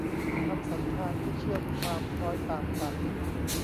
คำสันธานที่เชื่อมความคล้อยตามกัน